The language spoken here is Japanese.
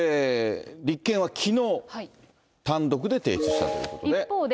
立憲はきのう、単独で提出したということで。